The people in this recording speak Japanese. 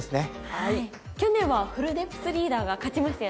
去年はフルデプスリーダーが勝ちましたよね。